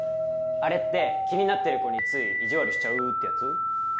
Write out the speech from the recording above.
あれって気になってる子についイジワルしちゃうってやつ？